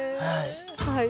はい。